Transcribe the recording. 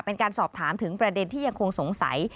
เป็นการสอบถามถึงประเด็นที่ยังคงสงสัย